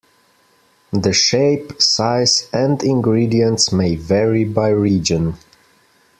The shape, size and ingredients may vary by region.